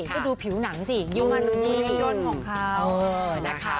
ก็ดูผิวหนังสิยูนี้ด้นของเขา